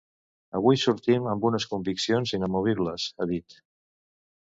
Avui sortim amb unes conviccions inamovibles, ha dit.